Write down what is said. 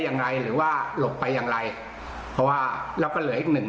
ยังไงหรือว่าหลบไปอย่างไรเพราะว่าเราก็เหลืออีกหนึ่ง